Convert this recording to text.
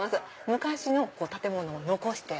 昔の建物を残して。